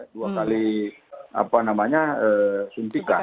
dua kali apa namanya suntikan